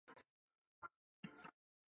早年就读于武岭学校。